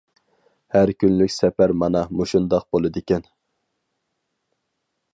ھەر كۈنلۈك سەپەر مانا مۇشۇنداق بولىدىكەن.